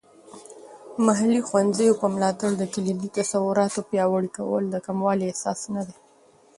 محلي ښوونځیو په ملاتړ د کلیدي تصورات پیاوړي کول د کموالی احساس نه دی.